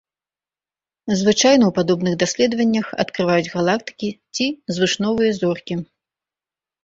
Звычайна ў падобных даследаваннях адкрываюць галактыкі ці звышновыя зоркі.